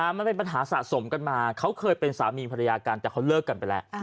มันเป็นปัญหาสะสมกันมาเขาเคยเป็นสามีภรรยากันแต่เขาเลิกกันไปแล้ว